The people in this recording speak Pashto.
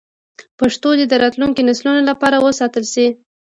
پښتو دې د راتلونکو نسلونو لپاره وساتل شي.